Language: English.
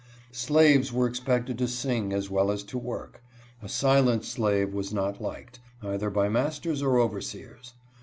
Slaves were expected to sing as well as to work. A silent slave was not liked, either by masters or overseers.